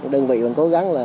đơn vị vẫn cố gắng